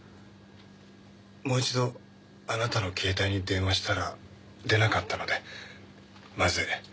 もう一度あなたのケータイに電話したら出なかったのでまずい。